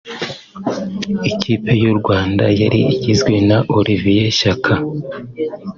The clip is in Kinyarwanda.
Ikipe y’u Rwanda yari igizwe na Olivier Shyaka (Espoir)